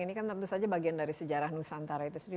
ini kan tentu saja bagian dari sejarah nusantara itu sendiri